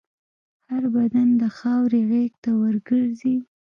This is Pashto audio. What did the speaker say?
هر بدن د خاورې غېږ ته ورګرځي.